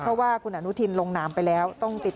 เพราะว่าคุณแอนุทินลงนามไปแล้ว